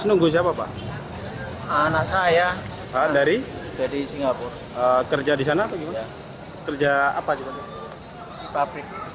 nunggu udah lama nih pak